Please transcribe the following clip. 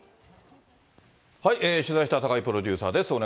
取材した高井プロデューサーです。